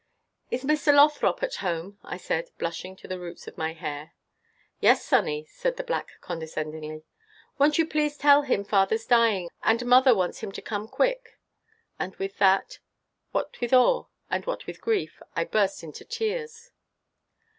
"Is Mr. Lothrop at home," I said, blushing to the roots of my hair. "Yes, sonny," said the black condescendingly. "Won't you please tell him father 's dying, and mother wants him to come quick?" and with that, what with awe, and what with grief, I burst into tears.